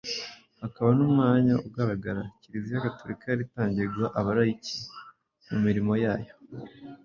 hakaba n'umwanya ugaragara Kiliziya gatolika yari itangiye guha abarayiki mu mirimo yayo,